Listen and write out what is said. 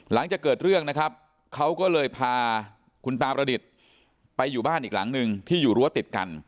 หลังจากเกิดเรื่องนะครับเขาก็เลยพาคุณตาประดิษฐ์ไปอยู่บ้านอีกหลังหนึ่งที่อยู่รั้วติดกัน